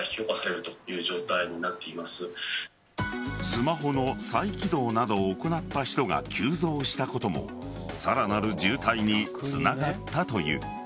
スマホの再起動などを行った人が急増したこともさらなる渋滞につながったという。